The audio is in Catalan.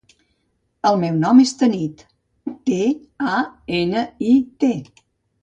El meu nom és Tanit: te, a, ena, i, te.